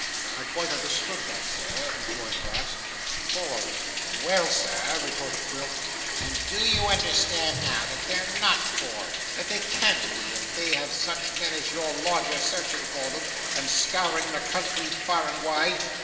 'I quite understood that, sir,' rejoined Brass. 'Thoroughly.' 'Well, Sir,' retorted Quilp, 'and do you understand now, that they're not poor that they can't be, if they have such men as your lodger searching for them, and scouring the country far and wide?